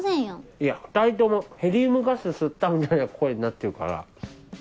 いや２人ともヘリウムガス吸ったみたいな声になってるから。